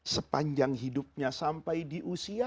sepanjang hidupnya sampai diusirnya